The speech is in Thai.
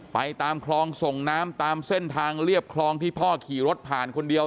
ไปตามคลองส่งน้ำตามเส้นทางเรียบคลองที่พ่อขี่รถผ่านคนเดียว